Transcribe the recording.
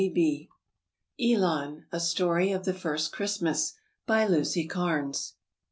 '' ELON : A STORY OF THE FIRST CHRISTMAS. BY LUCIE KARNES.